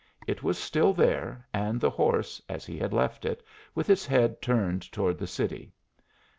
It was still there, and the horse, as he had left it, with its head turned toward the city.